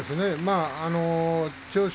千代翔